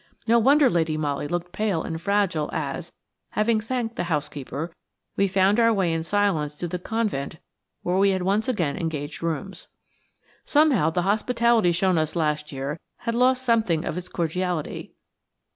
No wonder Lady Molly looked pale and fragile as, having thanked the housekeeper, we found our way in silence to the convent where we had once again engaged rooms. Somehow the hospitality shown us last year had lost something of its cordiality.